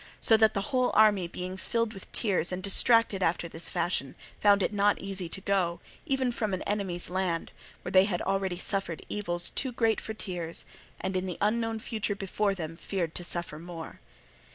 So that the whole army being filled with tears and distracted after this fashion found it not easy to go, even from an enemy's land, where they had already suffered evils too great for tears and in the unknown future before them feared to suffer more.